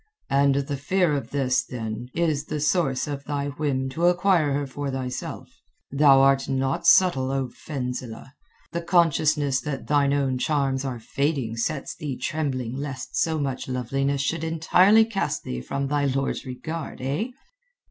"And the fear of this, then, is the source of thy whim to acquire her for thyself. Thou art not subtle, O Fenzileh. The consciousness that thine own charms are fading sets thee trembling lest so much loveliness should entirely cast thee from thy lord's regard, eh?"